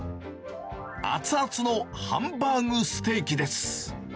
熱々のハンバーグステーキです。